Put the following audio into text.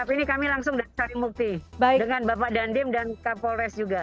tapi ini kami langsung dari sarimukti dengan bapak dandim dan kapolres juga